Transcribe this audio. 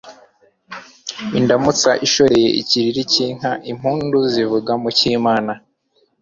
Indamutsa ishoreye ikiriri cy' inkaImpundu zivuga mu cy' Imana